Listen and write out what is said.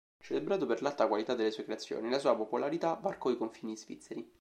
Celebrato per l'alta qualità delle sue creazioni, la sua popolarità varcò i confini svizzeri.